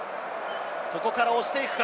ここから押していくか？